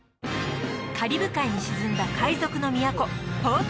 カリブ海に沈んだ海賊の都ポート